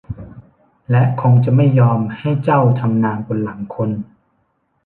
และคงจะไม่ยอมให้เจ้าทำนาบนหลังคน